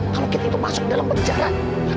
kalau kita itu masuk dalam penjara